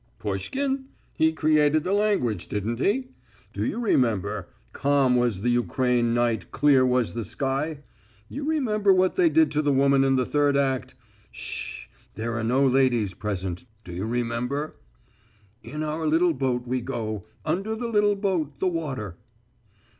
"Pushkin? He created the language, didn't he? Do you remember 'Calm was the Ukraine night, clear was the sky'? You remember what they did to the woman in the third act. Hsh! There are no ladies present, do you remember? "'In our little boat we go, Under the little boat the water.'